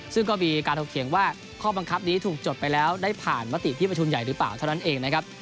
ซึ่งก็มีการถกเถียงว่าข้อบังคับนี้ถูกจดไปแล้วได้ผ่านมติที่ประชุมใหญ่หรือเปล่าเท่านั้นเองนะครับ